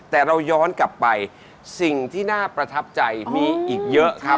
แต่เราย้อนกลับไปสิ่งที่น่าประทับใจมีอีกเยอะครับ